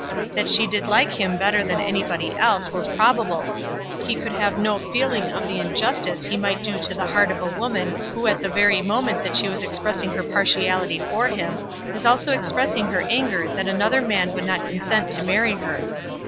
That she did like him better than anybody else was probable. He could have no feeling of the injustice he might do to the heart of a woman who at the very moment that she was expressing her partiality for him, was also expressing her anger that another man would not consent to marry her.